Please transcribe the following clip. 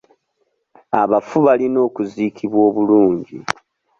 Abafu balina okuziikibwa obulungi.